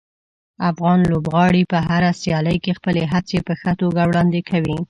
افغان لوبغاړي په هره سیالي کې خپلې هڅې په ښه توګه وړاندې کوي.